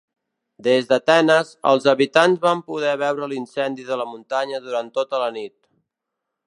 Des d'Atenes, els habitants van poder veure l'incendi de la muntanya durant tota la nit.